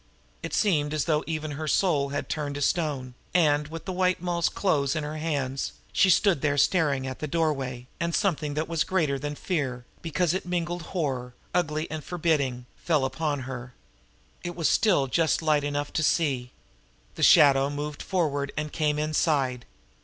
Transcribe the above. It seemed as though even her soul had turned to stone, and, with the White Moll's clothes in her hands, she stood there staring at the doorway, and something that was greater than fear, because it mingled horror, ugly and forbidding, fell upon her. It was still just light enough to see. The shadow moved forward and came inside.